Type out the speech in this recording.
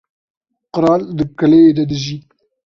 Qral di keleyê de dijî.